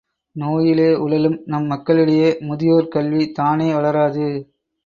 நோயிலே உழலும் நம் மக்களிடையே, முதியோர் கல்வி, தானே வளராது.